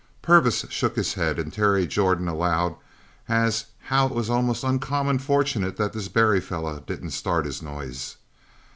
Purvis shook his head and Terry Jordan allowed "as how it was most uncommon fortunate that this Barry feller didn't start his noise."